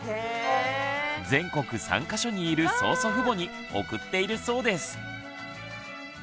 全国３か所にいる曽祖父母に送っているそうです。